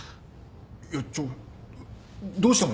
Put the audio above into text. いやちょどうしたの？